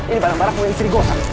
ini barang barang punya istri gue